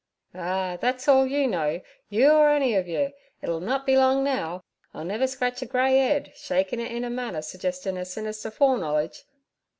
'Ah, thet's all you know, ur any ov you. It'll nut be long now. I'll never scratch a grey 'ead' shaking it in a manner suggesting a sinister foreknowledge.